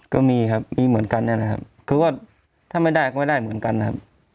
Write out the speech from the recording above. ก็มีครับมีเหมือนกันนะครับคือว่าถ้าไม่ได้ก็ไม่ได้เหมือนกันนะครับ